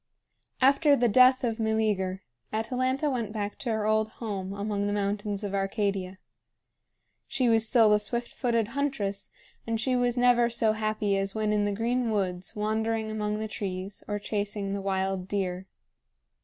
After the death of Meleager, Atalanta went back to her old home among the mountains of Arcadia. She was still the swift footed huntress, and she was never so happy as when in the green woods wandering among the trees or chasing the wild deer.